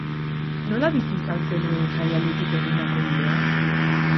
Nola bizi izan zenuen jaialditik egindako bidea?